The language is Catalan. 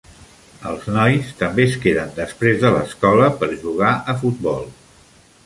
Els nois també es queden després de l'escola per jugar a futbol.